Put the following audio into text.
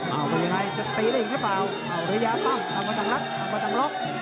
เอาไปยังไงจะตีไปอีกหรือเปล่าเอาระยะป้องเอามาจากล็อคเอามาจากล็อค